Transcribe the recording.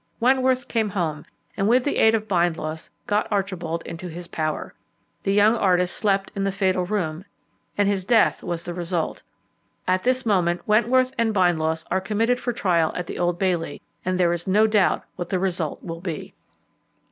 Wentworth came home, and with the aid of Bindloss got Archibald into his power. The young artist slept in the fatal room, and his death was the result. At this moment Wentworth and Bindloss are committed for trial at the Old Bailey, and there is no doubt what the result will be.